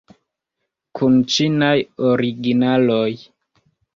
Kun ĉinaj originaloj.